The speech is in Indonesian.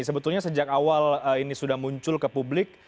sebetulnya sejak awal ini sudah muncul ke publik